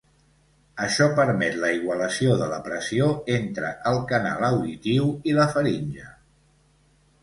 Això permet la igualació de la pressió entre el canal auditiu i la faringe.